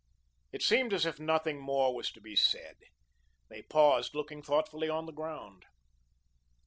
It seemed as if nothing more was to be said. They paused, looking thoughtfully on the ground.